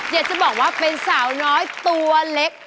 อยากจะบอกว่าเป็นสาวน้อยตัวเล็ก